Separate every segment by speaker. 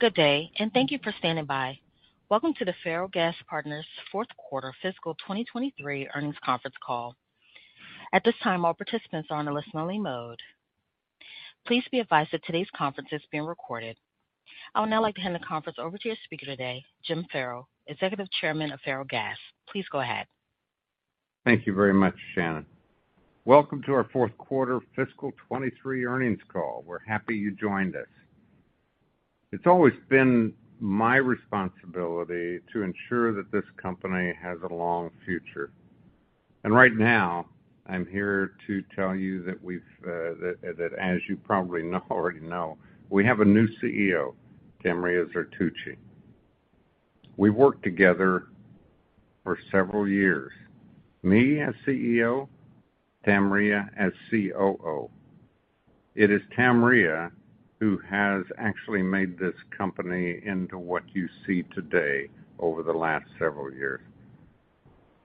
Speaker 1: Good day, and thank you for standing by. Welcome to the Ferrellgas Partners' Fourth Quarter Fiscal 2023 Earnings Conference Call. At this time, all participants are on a listen-only mode. Please be advised that today's conference is being recorded. I would now like to hand the conference over to your speaker today, Jim Ferrell, Executive Chairman of Ferrellgas. Please go ahead.
Speaker 2: Thank you very much, Shannon. Welcome to our Fourth Quarter Fiscal 2023 Earnings Call. We're happy you joined us. It's always been my responsibility to ensure that this company has a long future, and right now, I'm here to tell you that we've that as you probably already know, we have a new CEO, Tamria Zertuche. We worked together for several years, me as CEO, Tamria as COO. It is Tamria who has actually made this company into what you see today over the last several years.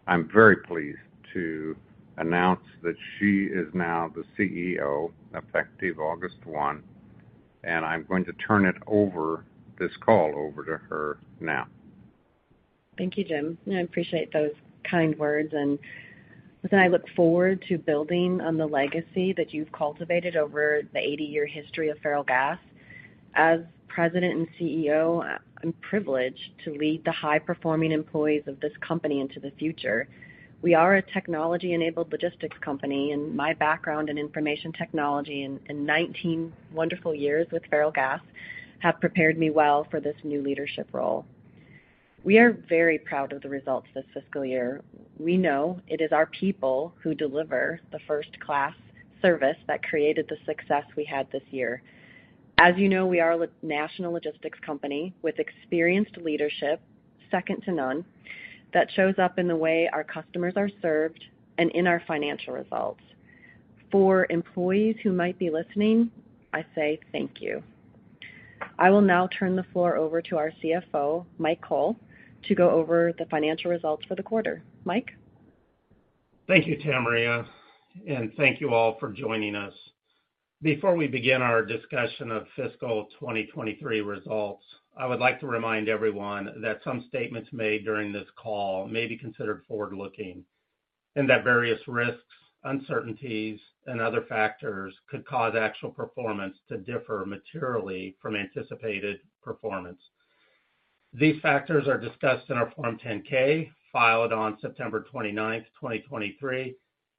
Speaker 2: I'm very pleased to announce that she is now the CEO, effective August 1, and I'm going to turn it over, this call over to her now.
Speaker 3: Thank you, Jim. I appreciate those kind words, and I look forward to building on the legacy that you've cultivated over the 80-year history of Ferrellgas. As President and CEO, I'm privileged to lead the high-performing employees of this company into the future. We are a technology-enabled logistics company, and my background in information technology and, and 19 wonderful years with Ferrellgas have prepared me well for this new leadership role. We are very proud of the results this fiscal year. We know it is our people who deliver the first-class service that created the success we had this year. As you know, we are a national logistics company with experienced leadership, second to none, that shows up in the way our customers are served and in our financial results. For employees who might be listening, I say thank you. I will now turn the floor over to our CFO, Mike Cole, to go over the financial results for the quarter. Mike?
Speaker 4: Thank you, Tamria, and thank you all for joining us. Before we begin our discussion of Fiscal 2023 Results, I would like to remind everyone that some statements made during this call may be considered forward-looking, and that various risks, uncertainties, and other factors could cause actual performance to differ materially from anticipated performance. These factors are discussed in our Form 10-K, filed on September 29th, 2023,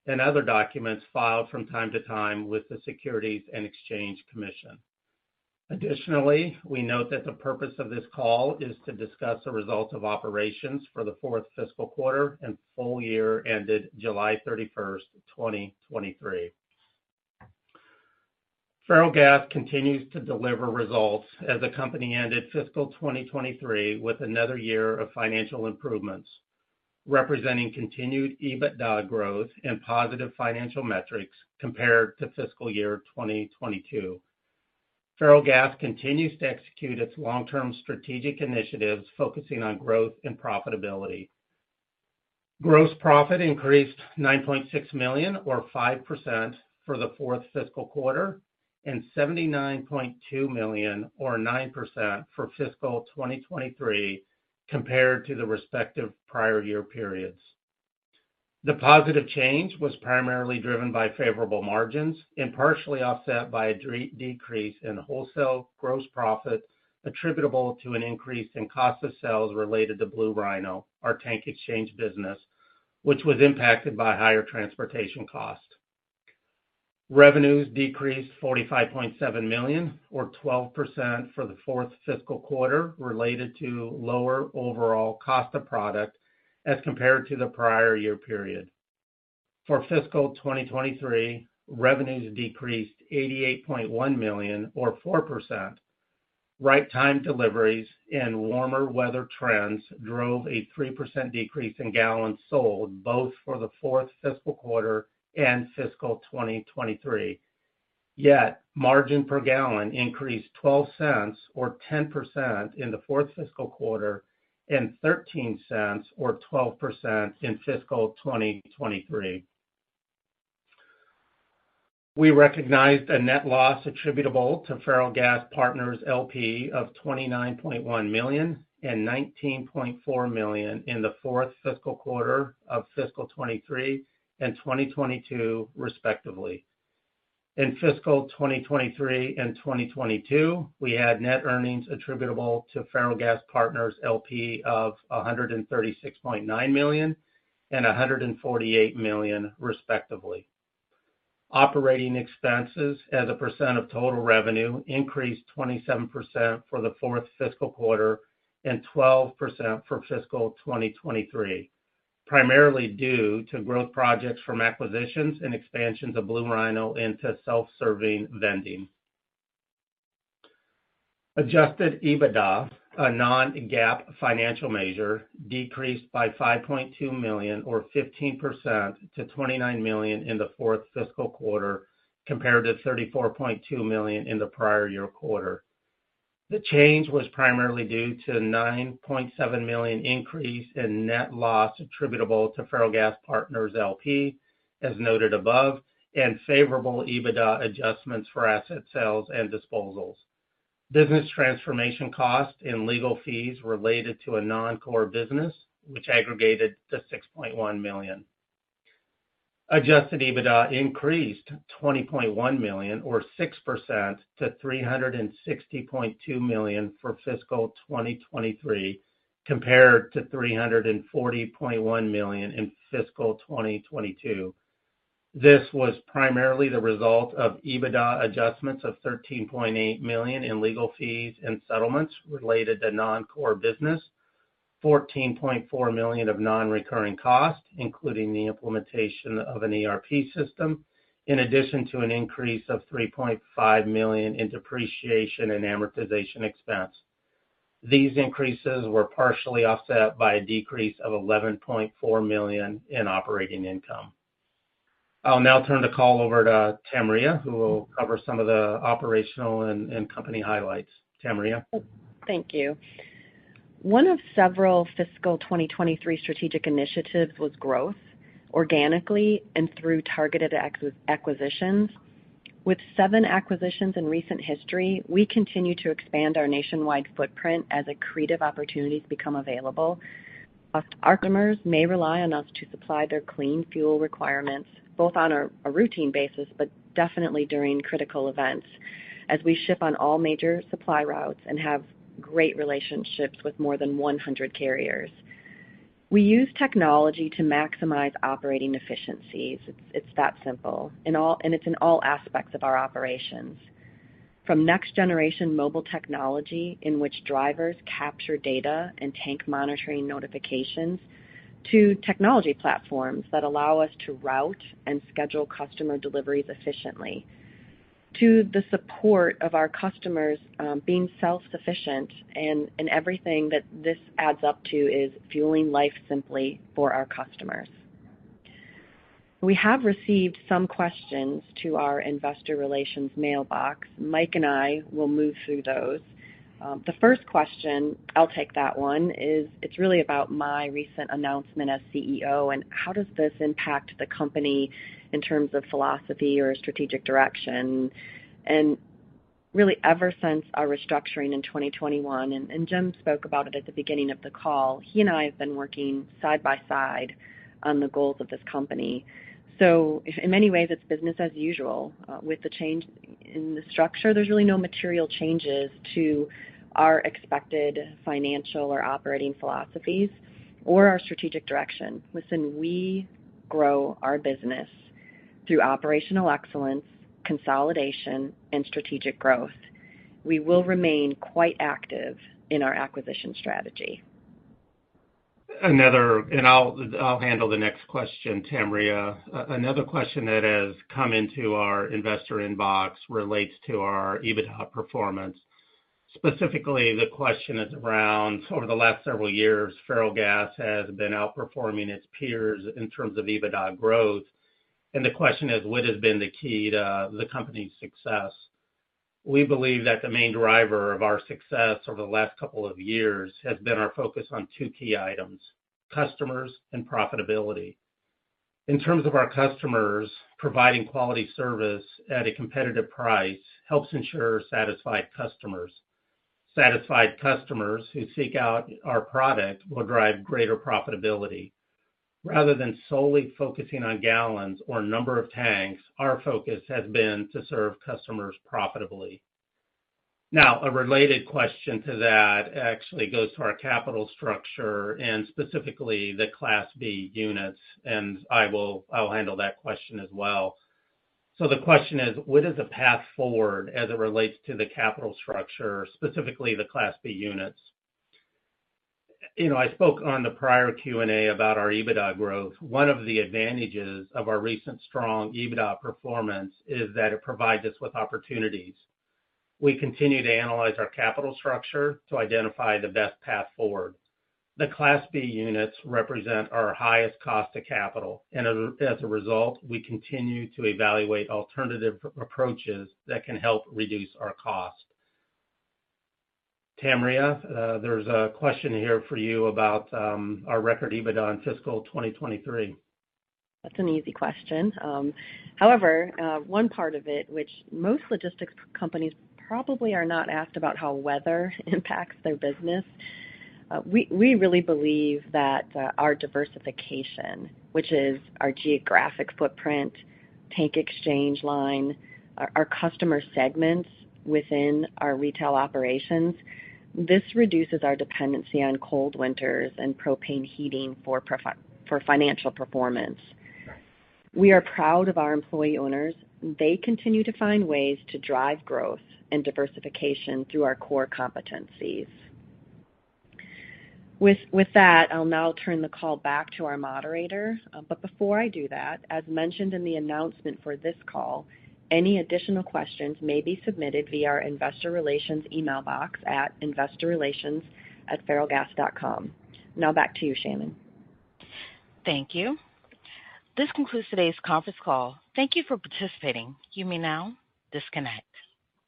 Speaker 4: and other documents filed from time to time with the Securities and Exchange Commission. Additionally, we note that the purpose of this call is to discuss the results of operations for the fourth fiscal quarter and full year ended July 31st, 2023. Ferrellgas continues to deliver results as the company ended fiscal 2023 with another year of financial improvements, representing continued EBITDA growth and positive financial metrics compared to fiscal year 2022. Ferrellgas continues to execute its long-term strategic initiatives, focusing on growth and profitability. Gross profit increased $9.6 million, or 5% for the fourth fiscal quarter, and $79.2 million, or 9% for fiscal 2023 compared to the respective prior year periods. The positive change was primarily driven by favorable margins and partially offset by a decrease in wholesale gross profit, attributable to an increase in cost of sales related to Blue Rhino, our tank exchange business, which was impacted by higher transportation costs. Revenues decreased $45.7 million, or 12% for the fourth fiscal quarter, related to lower overall cost of product as compared to the prior year period. For fiscal 2023, revenues decreased $88.1 million, or 4%. Right time deliveries and warmer weather trends drove a 3% decrease in gallons sold, both for the fourth fiscal quarter and fiscal 2023. Yet, margin per gallon increased $0.12, or 10% in the fourth fiscal quarter, and $0.13 or 12% in fiscal 2023. We recognized a net loss attributable to Ferrellgas Partners, L.P. of $29.1 million and $19.4 million in the fourth fiscal quarter of fiscal 2023 and 2022, respectively. In fiscal 2023 and 2022, we had net earnings attributable to Ferrellgas Partners, L.P. of $136.9 million and $148 million, respectively. Operating expenses as a percent of total revenue increased 27% for the fourth fiscal quarter and 12% for fiscal 2023, primarily due to growth projects from acquisitions and expansions of Blue Rhino into self-service vending. Adjusted EBITDA, a non-GAAP financial measure, decreased by $5.2 million or 15% to $29 million in the fourth fiscal quarter, compared to $34.2 million in the prior year quarter. The change was primarily due to a $9.7 million increase in net loss attributable to Ferrellgas Partners LP, as noted above, and favorable EBITDA adjustments for asset sales and disposals, business transformation costs and legal fees related to a non-core business, which aggregated to $6.1 million. Adjusted EBITDA increased $20.1 million, or 6% to $360.2 million for fiscal 2023, compared to $340.1 million in fiscal 2022. This was primarily the result of EBITDA adjustments of $13.8 million in legal fees and settlements related to non-core business, $14.4 million of non-recurring costs, including the implementation of an ERP system, in addition to an increase of $3.5 million in depreciation and amortization expense. These increases were partially offset by a decrease of $11.4 million in operating income. I'll now turn the call over to Tamria, who will cover some of the operational and company highlights. Tamria?
Speaker 3: Thank you. One of several fiscal 2023 strategic initiatives was growth, organically and through targeted acquisitions. With seven acquisitions in recent history, we continue to expand our nationwide footprint as accretive opportunities become available. Our customers may rely on us to supply their clean fuel requirements, both on a routine basis, but definitely during critical events, as we ship on all major supply routes and have great relationships with more than 100 carriers. We use technology to maximize operating efficiencies. It's that simple, and it's in all aspects of our operations. From next-generation mobile technology, in which drivers capture data and tank monitoring notifications, to technology platforms that allow us to route and schedule customer deliveries efficiently, to the support of our customers being self-sufficient, and everything that this adds up to is fueling life simply for our customers. We have received some questions to our investor relations mailbox. Mike and I will move through those. The first question, I'll take that one, is it's really about my recent announcement as CEO and how does this impact the company in terms of philosophy or strategic direction? And really, ever since our restructuring in 2021, and, and Jim spoke about it at the beginning of the call, he and I have been working side by side on the goals of this company. So in many ways, it's business as usual. With the change in the structure, there's really no material changes to our expected financial or operating philosophies or our strategic direction. Listen, we grow our business through operational excellence, consolidation, and strategic growth. We will remain quite active in our acquisition strategy.
Speaker 4: And I'll handle the next question, Tamria. Another question that has come into our investor inbox relates to our EBITDA performance. Specifically, the question is around, over the last several years, Ferrellgas has been outperforming its peers in terms of EBITDA growth, and the question is, what has been the key to the company's success? We believe that the main driver of our success over the last couple of years has been our focus on two key items, customers and profitability. In terms of our customers, providing quality service at a competitive price helps ensure satisfied customers. Satisfied customers who seek out our product will drive greater profitability. Rather than solely focusing on gallons or number of tanks, our focus has been to serve customers profitably. Now, a related question to that actually goes to our capital structure and specifically the Class B units, and I'll handle that question as well. So the question is: what is the path forward as it relates to the capital structure, specifically the Class B units? You know, I spoke on the prior Q&A about our EBITDA growth. One of the advantages of our recent strong EBITDA performance is that it provides us with opportunities. We continue to analyze our capital structure to identify the best path forward. The Class B units represent our highest cost of capital, and as a result, we continue to evaluate alternative approaches that can help reduce our cost. Tamria, there's a question here for you about our record EBITDA in fiscal 2023.
Speaker 3: That's an easy question. However, one part of it, which most logistics companies probably are not asked about how weather impacts their business, we really believe that our diversification, which is our geographic footprint, tank exchange line, our customer segments within our retail operations, this reduces our dependency on cold winters and propane heating for financial performance. We are proud of our employee owners. They continue to find ways to drive growth and diversification through our core competencies. With that, I'll now turn the call back to our moderator. But before I do that, as mentioned in the announcement for this call, any additional questions may be submitted via our investor relations email box at investorrelations@ferrellgas.com. Now back to you, Shannon.
Speaker 1: Thank you. This concludes today's conference call. Thank you for participating. You may now disconnect.